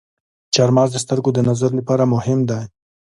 چارمغز د سترګو د نظر لپاره مهم دی.